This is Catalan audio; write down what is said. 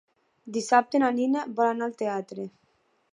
Dissabte na Nina vol anar al teatre.